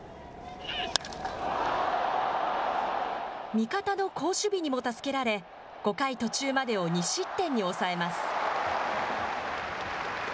味方の好守備にも助けられ、５回途中までを２失点に抑えます。